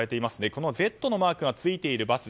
このＺのマークがついているバス